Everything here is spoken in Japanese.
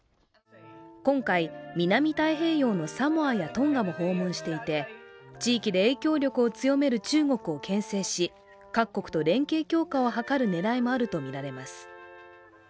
今回、南太平洋のサモアやトンガも訪問していて、地域で影響力を強める中国をけん制し、各国と連携強化を図る狙いもあるとみられます。